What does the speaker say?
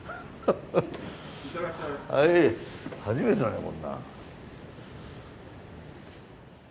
初めてだねこんな。